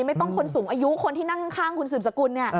ไม่ต้องคนสูงอายุคนที่นั่งข้างคุณสืบสกุล